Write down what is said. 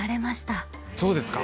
そうですか！